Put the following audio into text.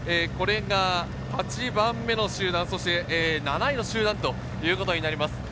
これが８番目の集団、７位の集団となります。